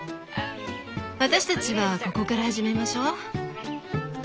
私たちはここから始めましょう。